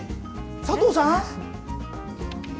佐藤さん？